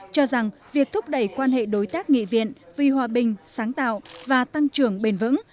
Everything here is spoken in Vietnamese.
cho rằng việc thúc đẩy quan hệ đối tác nghị viện vì hòa bình sáng tạo và tăng trưởng bền vững